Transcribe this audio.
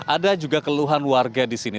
ada juga keluhan warga di sini